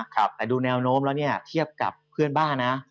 แต่ดูแนวโน้มแล้วเนี่ยเทียบกับเพื่อนบ้านนะ